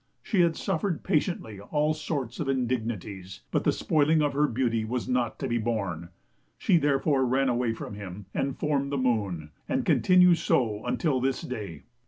She had suffered patiently all sorts of indignities, but the spoiling of her beauty was not to be borne; she therefore ran away from him and formed the moon, and continues so until this day.